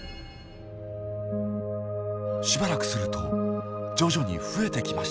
しばらくすると徐々に増えてきました。